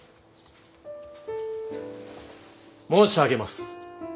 ・申し上げます